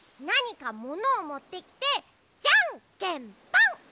なにかものをもってきてじゃんけんぽん！